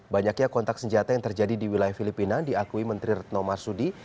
banyaknya kontak senjata yang terjadi di wilayah filipina diakui menteri retno marsudi